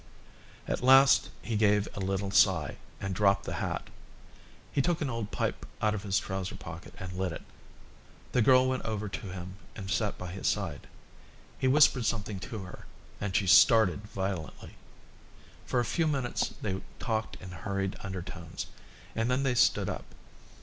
At last he gave a little sigh and dropped the hat. He took an old pipe out of his trouser pocket and lit it. The girl went over to him and sat by his side. He whispered something to her, and she started violently. For a few minutes they talked in hurried undertones, and then they stood up.